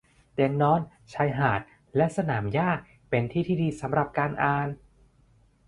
เตียงนอน ชายหาด และสนามหญ้า เป็นที่ที่ดีสำหรับการอ่าน